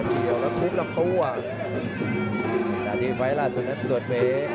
แต่เดี๋ยวแล้วทุกหลังตัวน่าที่ไว้แหละส่วนแรกตัวเฟส